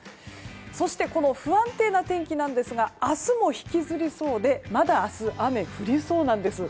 そして、この不安定な天気は明日も引きずりそうでまだ明日、雨が降りそうです。